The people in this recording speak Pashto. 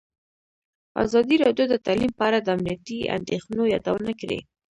ازادي راډیو د تعلیم په اړه د امنیتي اندېښنو یادونه کړې.